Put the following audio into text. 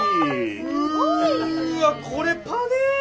うわっこれパネ。